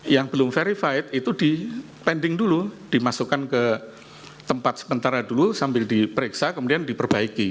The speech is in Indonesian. yang belum verified itu dipending dulu dimasukkan ke tempat sementara dulu sambil diperiksa kemudian diperbaiki